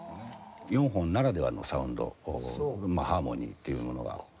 ４本ならではのサウンドハーモニーっていうものがあります。